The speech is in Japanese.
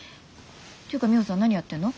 ていうかミホさん何やってんの？